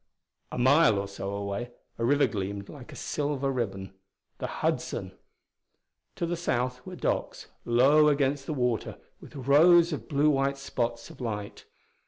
A mile or so away, a river gleamed like a silver ribbon the Hudson. To the south were docks, low against the water, with rows of blue white spots of light.